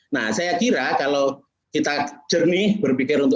sekarang hari yang terakhir saya pun memukul ini